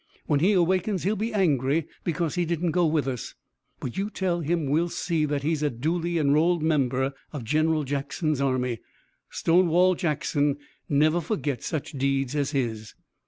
When he awakens he'll be angry because he didn't go with us, but you tell him we'll see that he's a duly enrolled member of General Jackson's army. Stonewall Jackson never forgets such deeds as his."